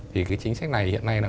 thì chính sách này hiện nay